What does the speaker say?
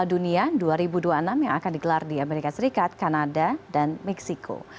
di amerika serikat kanada dan meksiko